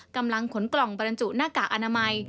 กำลังขนกล่องบรรจุหน้ากากอนามัย